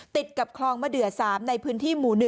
ติดกับคลองมะเดือ๓ในพื้นที่หมู่๑